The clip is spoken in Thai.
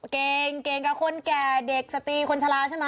เก่งกับคนแก่เด็กสตีคนชะลาใช่มะ